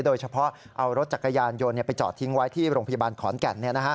โดยเฉพาะเอารถจักรยานยนต์ไปจอดทิ้งไว้ที่โรงพยาบาลขอนแก่น